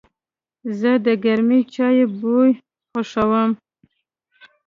زه د گرمې چای بوی خوښوم.